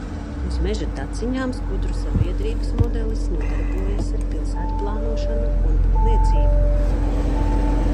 Uz meža taciņām skudru sabiedrības modelis nodarbojas ar pilsētplānošanu un būvniecību.